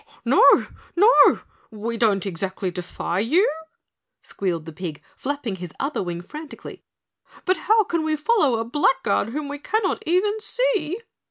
"No! No! We don't exactly defy you," squealed the pig, flapping his other wing frantically, "but how can we follow a blackguard whom we cannot even see?"